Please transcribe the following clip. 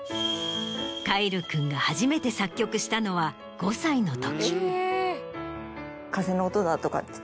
凱成君が初めて作曲したのは５歳のとき。